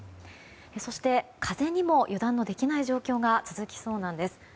そして風にも油断ができない状況が続きそうなんです。